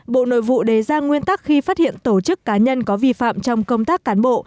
bộ nội vụ đề ra nguyên tắc khi phát hiện tổ chức cá nhân có vi phạm trong công tác cán bộ